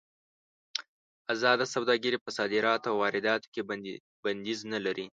ازاده سوداګري په صادراتو او وارداتو کې بندیز نه لري.